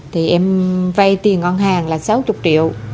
thì em vay tiền ngân hàng là sáu triệu